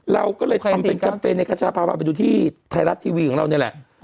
เราก็เลยทำเป็นแคมเปญในกระชาภาวะไปดูที่ไทยรัฐทีวีของเรานี่แหละ